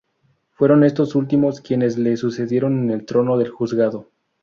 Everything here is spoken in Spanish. Fueron estos últimos quienes le sucedieron en el trono del juzgado.